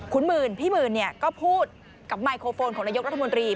คุณหมื่นพี่หมื่นก็พูดกับไมโครโฟนของนายกรัฐมนตรี